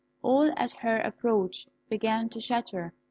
All at her approach began to chatter.